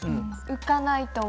浮かない？